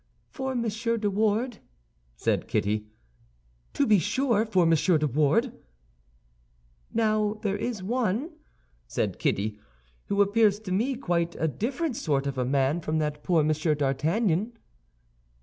"For Monsieur de Wardes?" said Kitty. "To be sure; for Monsieur de Wardes." "Now, there is one," said Kitty, "who appears to me quite a different sort of a man from that poor Monsieur d'Artagnan."